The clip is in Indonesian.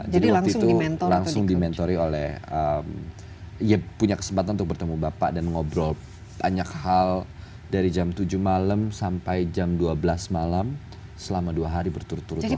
jadi waktu itu langsung di mentori oleh ya punya kesempatan untuk bertemu bapak dan mengobrol banyak hal dari jam tujuh malam sampai jam dua belas malam selama dua hari berturut turut waktu itu